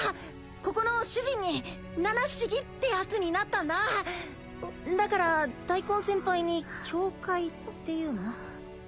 ここの主人に七不思議ってやつになったんだだから大根先輩に境界っていうの？